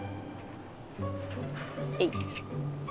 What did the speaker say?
えい。